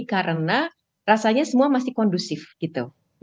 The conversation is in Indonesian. karena rasanya semua masih kondusif gitu